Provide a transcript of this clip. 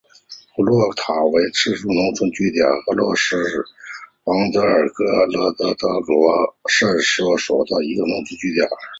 普洛塔韦茨农村居民点是俄罗斯联邦别尔哥罗德州科罗恰区所属的一个农村居民点。